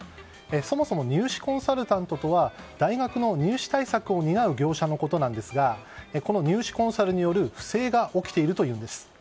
そもそも入試コンサルタントとは大学の入試対策を担う業者のことなんですがこの入試コンサルによる不正が起きているというんです。